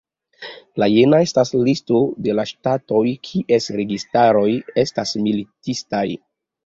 La jena estas listo de la ŝtatoj kies registaroj estas militistaj.